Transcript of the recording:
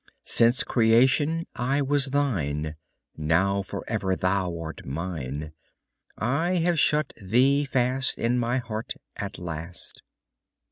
Since creation I was thine; Now forever thou art mine. I have shut thee fast In my heart at last.